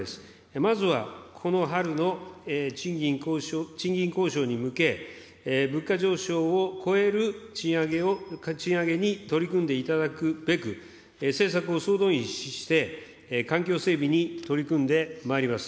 まずは、この春の賃金交渉に向け、物価上昇を超える賃上げに取り組んでいただくべく、政策を総動員して、環境整備に取り組んでまいります。